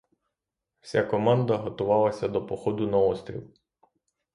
Вся команда готувалася до походу на острів.